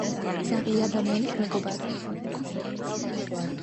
ძაღლი ადამიანის მეგობარია